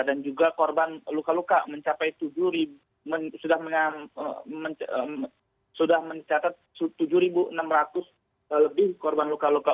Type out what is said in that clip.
dan juga korban luka luka mencapai tujuh enam ratus lebih korban luka luka